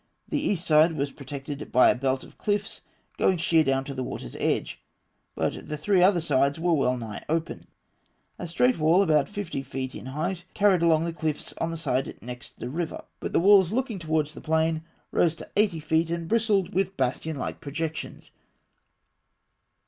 The east side was protected by a belt of cliffs going sheer down to the water's edge; but the three other sides were well nigh open (fig. 35). A straight wall, about fifty feet in height, carried along the cliffs on the side next the river; but the walls looking towards the plain rose to eighty feet, and bristled with bastion like projections (A.